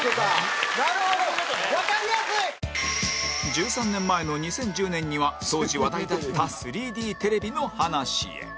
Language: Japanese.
１３年前の２０１０年には当時話題だった ３Ｄ テレビの話へ